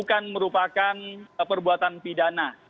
akan perbuatan pidana